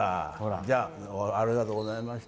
じゃあ、ありがとうございました。